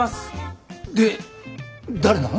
で誰なの？